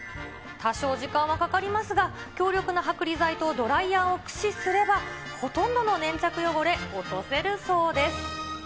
多少時間はかかりますが、強力な剥離剤とドライヤーを駆使すれば、ほとんどの粘着汚れ、落とせるそうです。